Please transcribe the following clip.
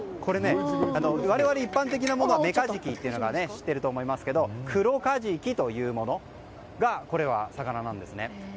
我々、一般的なものはメカジキというものを知っていると思いますがクロカジキという魚なんです。